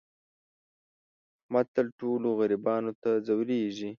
احمد تل ټولو غریبانو ته ځورېږي.